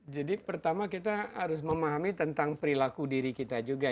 jadi pertama kita harus memahami tentang perilaku diri kita juga